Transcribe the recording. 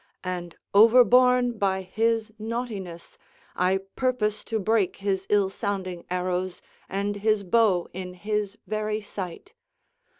And, overborne by his naughtiness, I purpose to break his ill sounding arrows and his bow in his very sight.